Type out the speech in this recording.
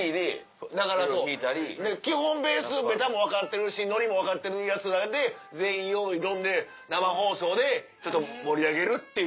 だからそう基本ベースベタも分かってるしノリも分かってるヤツらで全員用意ドンで生放送でちょっと盛り上げるっていう。